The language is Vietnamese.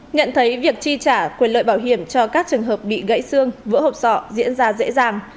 nhận thấy việc chi trả quyền lợi bảo hiểm cho các trường hợp bị gãy xương vỡ hộp sọ diễn ra dễ dàng